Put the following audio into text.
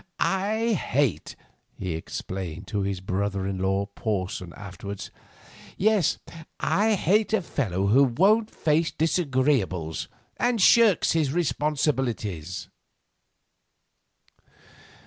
"I hate," he explained to his brother in law Porson afterwards, "yes, I hate a fellow who won't face disagreeables and shirks his responsibilities."